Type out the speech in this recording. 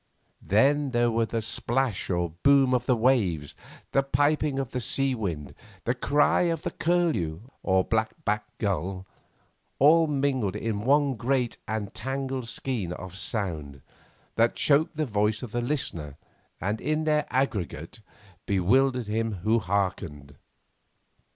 Then there were the splash or boom of the waves, the piping of the sea wind, the cry of curlew, or black backed gulls, all mingled in one great and tangled skein of sound that choked the voice of the speaker, and in their aggregate, bewildered him who hearkened.